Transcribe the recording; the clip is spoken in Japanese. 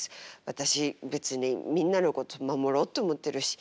私別にみんなのこと守ろうと思ってるし。